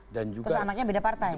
terus anaknya beda partai